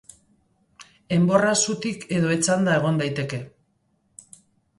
Enborra zutik edo etzanda egon daiteke.